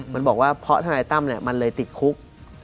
มันบอกว่าเพราะทนายตั้มมันเลยติดคุก